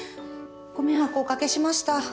ご迷惑おかけしました。